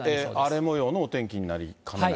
荒れもようのお天気になりかねない。